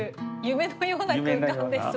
夢のような空間です